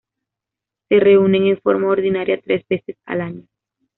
Se reúnen en forma ordinaria tres veces al año.